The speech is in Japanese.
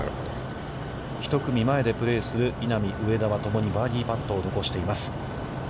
１組前でプレーする稲見、上田は、ともにバーディーパットを残しています。